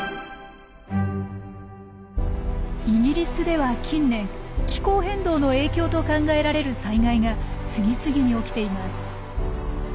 イギリスでは近年気候変動の影響と考えられる災害が次々に起きています。